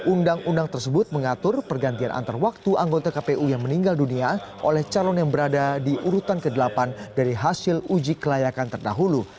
undang undang tersebut mengatur pergantian antar waktu anggota kpu yang meninggal dunia oleh calon yang berada di urutan ke delapan dari hasil uji kelayakan terdahulu